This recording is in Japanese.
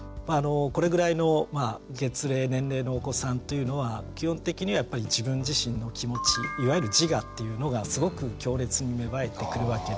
これぐらいの月齢年齢のお子さんというのは基本的には自分自身の気持ちいわゆる自我っていうのがすごく強烈に芽生えてくるわけです。